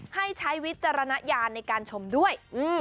ใช้วิจารณญาณในการชมด้วย